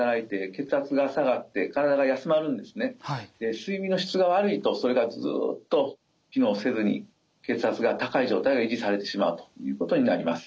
睡眠の質が悪いとそれがずっと機能せずに血圧が高い状態が維持されてしまうということになります。